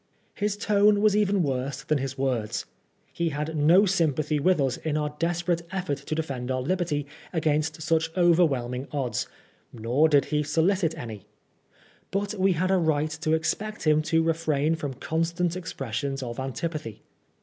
His tone was even worse than his words. He had no sympathy with us in our desperate effort to defend our liberty against such overwhelming odds, nor did we solicit any ; but we had a right to expect him to refrain from constant expressions of antipathy.